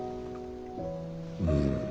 うん。